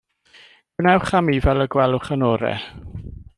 Gwnewch â mi fel y gweloch yn orau.